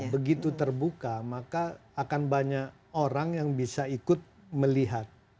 begitu terbuka maka akan banyak orang yang bisa ikut melihat